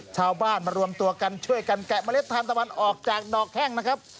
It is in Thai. ชาวบ้านมารวมตัวกันช่วยกันแกะเมล็ดทานตะวันออกจากดอกแห้งนะครับ